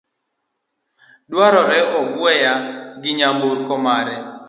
owuondore, ogweya gi nyamburko mare